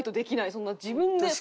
そんな自分で。